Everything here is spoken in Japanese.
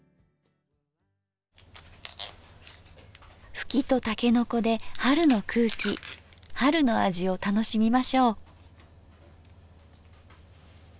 ふきとたけのこで春の空気春の味を楽しみましょう。